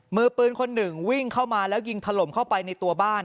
มือปืนคนหนึ่งวิ่งเข้ามาแล้วยิงถล่มเข้าไปในตัวบ้าน